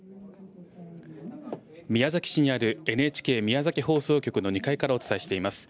宮崎市にあるＮＨＫ宮崎放送局の２階からお伝えしています。